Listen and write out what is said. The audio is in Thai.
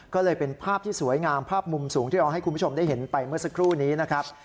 ก็เลยเป็นภาพที่สวยงามภาพมุมสูงที่เราให้คุณผู้ชมได้เห็นไปเมื่อสักครู่นี้นะครับ